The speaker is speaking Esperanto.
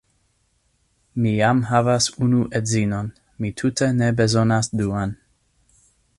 Mi jam havas unu edzinon, mi tute ne bezonas duan.